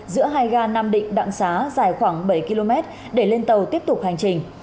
giữa hai ga nam định đặng xá dài khoảng bảy km để lên tàu tiếp tục hành trình